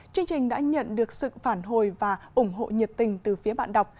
chương trình đã nhận được sự phản hồi và ủng hộ nhiệt tình từ phía bạn đọc